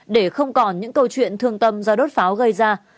để không còn những câu chuyện thương tâm do đốt pháo gây ra